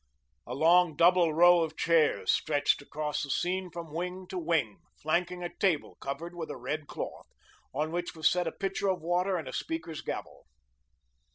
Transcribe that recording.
A long, double row of chairs stretched across the scene from wing to wing, flanking a table covered with a red cloth, on which was set a pitcher of water and a speaker's gavel.